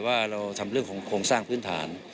ว่าเราทำเรื่องของโครงสร้างพื้นฐาน